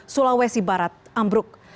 sulawesi barat ambruk